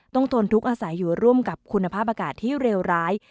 ทนทุกข์อาศัยอยู่ร่วมกับคุณภาพอากาศที่เลวร้าย